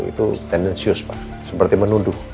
itu tendensius pak seperti menuduh